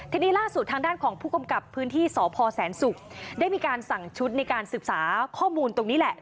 ทีนี้ล่าสุดทางด้านของผู้กำกับพื้นที่สพแสนศุกร์ได้มีการสั่งชุดในการศึกษาข้อมูลตรงนี้แหละ